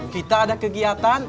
kita ada kegiatan